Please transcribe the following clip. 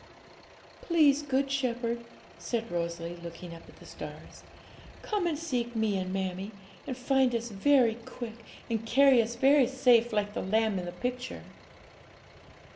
'Please, Good Shepherd,' said Rosalie, looking up at the stars, 'come and seek me and mammie, and find us very quick, and carry us very safe, like the lamb in the picture.'